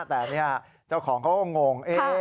แต่นี่เจ้าของเขาก็งง